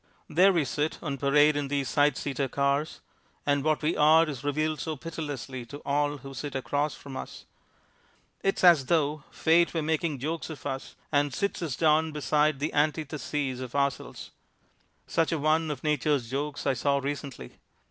There we sit on parade in these side seater cars, and what we are is revealed so pitilessly to all who sit across from us. It is as though Fate were making jokes of us and sits us down beside the antitheses of ourselves. Such a one of Nature's jokes I saw recently.